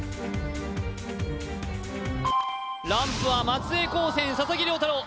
ランプは松江高専佐々木涼太郎